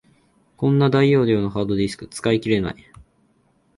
こんな大容量のハードディスク、使い切れない